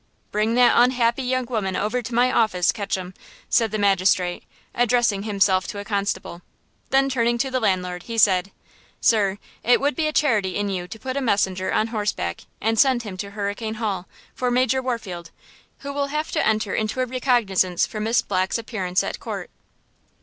"Bring that unhappy young woman over to my office, Ketchum," said the magistrate, addressing himself to a constable. Then turning to the landlord, he said: "Sir, it would be a charity in you to put a messenger on horseback and send him to Hurricane Hall for Major Warfield, who will have to enter into a recognizance for Miss Black's appearance at court.